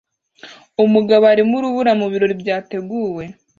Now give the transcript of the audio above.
Umugabo arimo urubura mu birori byateguwe